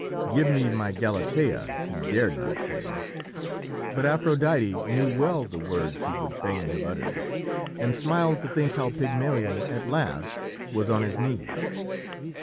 "Give me my Galatea," he dared not say; but Aphrodite knew well the words he would fain have uttered, and smiled to think how Pygmalion at last was on his knees.